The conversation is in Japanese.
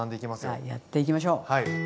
じゃあやっていきましょう。